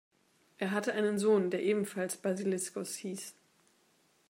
Er hatte einen Sohn, der ebenfalls Basiliskos hieß.